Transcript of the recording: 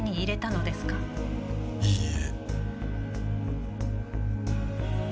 いいえ。